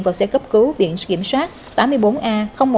vào xe cấp cứu điện kiểm soát tám mươi bốn a một nghìn sáu trăm ba mươi bốn